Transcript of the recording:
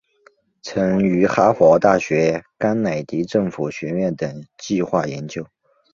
曾于哈佛大学甘乃迪政府学院等计画研究。